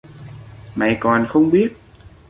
Mày còn không biết